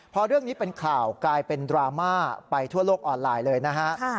พอเรื่องนี้เป็นข่าวกลายเป็นดราม่าไปทั่วโลกออนไลน์เลยนะฮะ